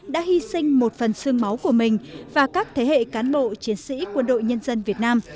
đã hy sinh một phần sương máu của mình và các thế hệ cán bộ chiến sĩ quân đội nhân dân việt nam